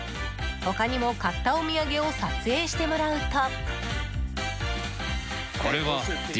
他にも買ったお土産を撮影してもらうと。